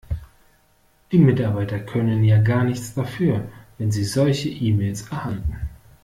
Die Mitarbeiter können ja gar nichts dafür, wenn sie solche E-Mails erhalten.